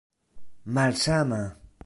malsama